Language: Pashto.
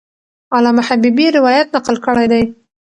علامه حبیبي روایت نقل کړی دی.